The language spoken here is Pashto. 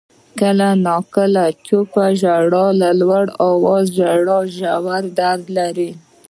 • کله ناکله چپ ژړا تر لوړ آوازه ژړا ژور درد لري.